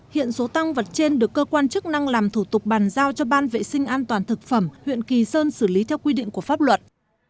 hiện số tăng vật trên được cơ quan chức năng làm thủ tục bàn giao cho ban vệ sinh an toàn thực phẩm huyện kỳ sơn xử lý theo quy định của pháp luật